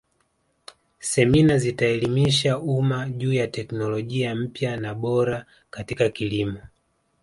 semina zitaelimisha umma juu ya teknolojia mpya na bora katika kilimo